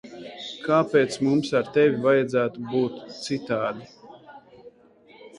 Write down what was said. Kāpēc mums ar tevi vajadzētu būt citādi?